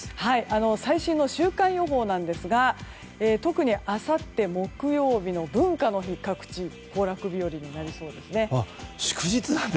最新の週間予報ですが特にあさって木曜日の文化の日各地行楽日和になりそうですね。